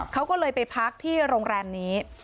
เขาก็เลยไปพักที่โรงแรมนี้